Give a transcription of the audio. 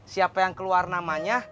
siapa yang keluar namanya